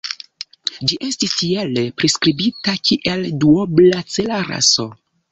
Ĝi estis tiele priskribita kiel duobla-cela raso.